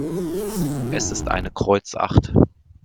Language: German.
Es ist eine Kreuz acht.